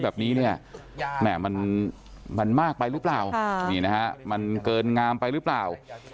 แบบนี้มันมากไปหรือเปล่ามันเกินงามไปหรือเปล่า